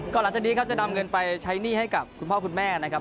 หลังจากนี้ครับจะนำเงินไปใช้หนี้ให้กับคุณพ่อคุณแม่นะครับ